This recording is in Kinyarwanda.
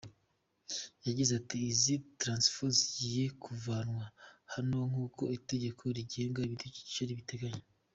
Yagize ati “ Izi transfo zigiye kuvanwa hano nk’uko itegeko rigenga ibidukikije ribiteganya.